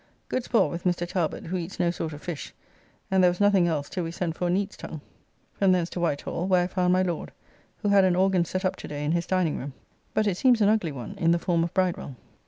Good sport with Mr. Talbot, who eats no sort of fish, and there was nothing else till we sent for a neat's tongue. From thence to Whitehall where I found my Lord, who had an organ set up to day in his dining room, but it seems an ugly one in the form of Bridewell.